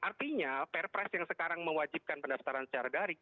artinya perpres yang sekarang mewajibkan pendaftaran secara daring